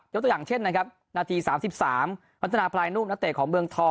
ตัวอย่างเช่นนะครับนาที๓๓พัฒนาพลายนุ่มนักเตะของเมืองทอง